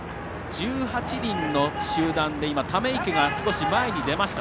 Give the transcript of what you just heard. １８人の集団で溜池が少し前に出ました。